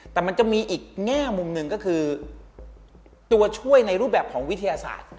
แต่มันจะมีอีกแง่มุมหนึ่งก็คือตัวช่วยในรูปแบบของวิทยาศาสตร์